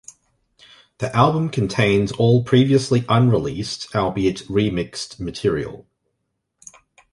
The album contains all previously unreleased, albeit remixed material.